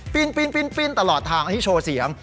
ปีนตลอดทางให้โชว์เสียง